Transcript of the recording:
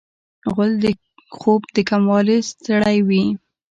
غول د خوب د کموالي ستړی وي.